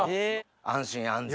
安心安全。